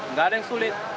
nggak ada yang sulit